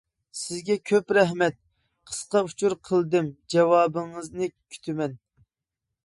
سىزگە كۆپ رەھمەت. قىسقا ئۇچۇر قىلدىم. جاۋابىڭىزنى كۈتىمەن.